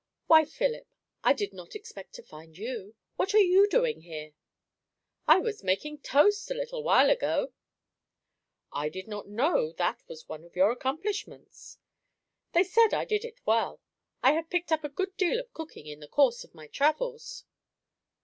"Why, Philip, I did not expect to find you. What are you doing here?" "I was making toast a little while ago." "I did not know that was one of your accomplishments." "They said I did it well. I have picked up a good deal of cooking in the course of my travels."